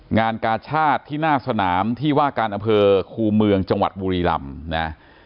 งานกาชาติที่หน้าสนามที่ว่าการอำเภอคูเมืองจังหวัดบุรีรำนะ